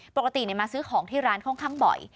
ปกติมาซื้อของที่ร้านค่อนข้างบ่อย